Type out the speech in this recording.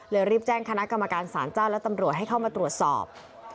รีบแจ้งคณะกรรมการสารเจ้าและตำรวจให้เข้ามาตรวจสอบ